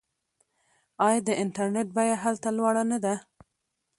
آیا د انټرنیټ بیه هلته لوړه نه ده؟